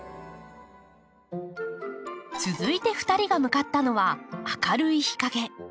続いて２人が向かったのは明るい日かげ。